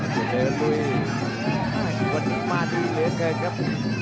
จะเดินลุยวันนี้มาดีเหลือเกินครับ